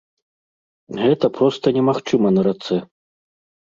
Гэта проста немагчыма на рацэ.